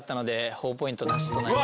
ほぉポイントなしとなります。